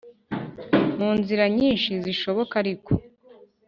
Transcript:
munzira nyinshi zishoboka ariko